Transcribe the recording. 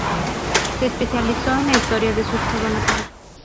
Se especializó en la historia de su estado natal.